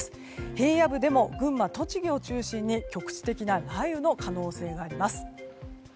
平野部でも群馬、栃木を中心に局地的な雷雨の可能性があります。